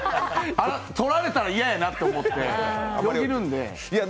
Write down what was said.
取られたら嫌やなと思ってよぎるんで。